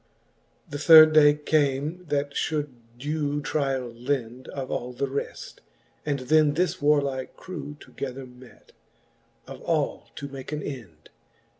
VIII. The third day came, that fhould due tryall lend Of all the reft, and then this warlike crew Together met, of all to make an end.